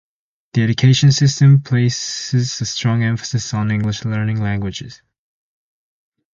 The education system places a strong emphasis on English language learning.